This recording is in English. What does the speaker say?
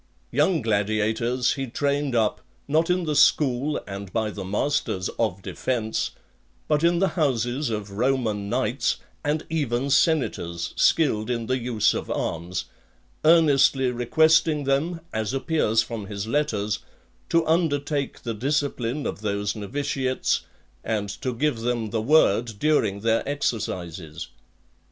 Young gladiators he trained up, not in the school, and by the masters, of defence, but in the houses of Roman knights, and even senators, skilled in the use of arms, earnestly requesting them, as appears from his letters, to undertake the discipline of those novitiates, and to give them the word during their exercises.